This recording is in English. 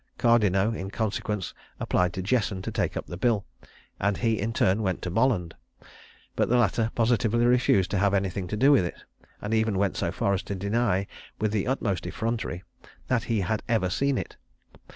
Cardineaux, in consequence, applied to Jesson to take up the bill, and he in turn went to Bolland; but the latter positively refused to have anything to do with it, and even went so far as to deny, with the utmost effrontery, that he had ever seen it.